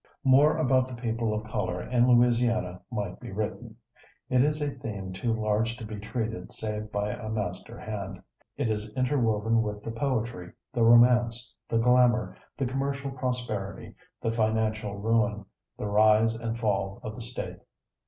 More about the people of color in Louisiana might be written. It is a theme too large to be treated save by a master hand. It is interwoven with the poetry, the romance, the glamour, the commercial prosperity, the financial ruin, the rise and fall of the State.